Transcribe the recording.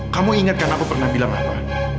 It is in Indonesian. kamu inget kan aku pernah bilang apa